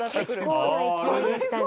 結構な勢いでしたね。